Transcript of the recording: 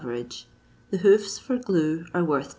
erage; the hoofs, for glue, are worth ^.